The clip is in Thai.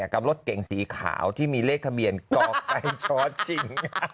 กลับรถเก่งสีขาวที่มีเลขเขมียนกรอกใกล้ชอตจิ้ง